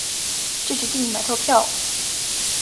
就决定买套票